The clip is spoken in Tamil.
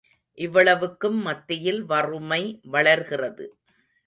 இவ்வளவுக்கும் மத்தியில் வறுமை வளர்கிறது.